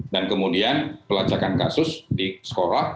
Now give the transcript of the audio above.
dan kemudian pelacakan kasus di sekolah